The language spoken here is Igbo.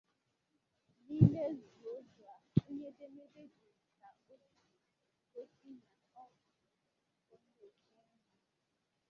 N'ime "Zuo Zhuan", "onye edemede jiri taotie" gosi na ọ bụ "onye oke nri".